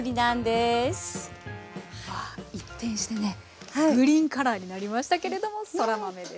一転してねグリーンカラーになりましたけれどもそら豆です。